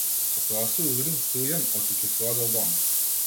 Со тоа се уверил Силјан оти ќе си одел дома.